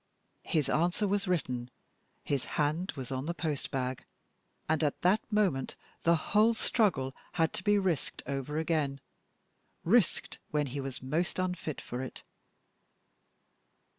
His answer was written, his hand was on the post bag, and at that moment the whole struggle had to be risked over again risked when he was most unfit for it!